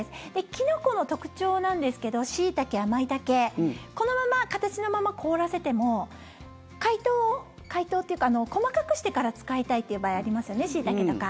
キノコの特徴なんですけどシイタケやマイタケこのまま、形のまま凍らせても解凍解凍っていうか細かくしてから使いたいっていう場合ありますよねシイタケとか。